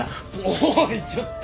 おいちょっと